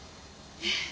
ええ。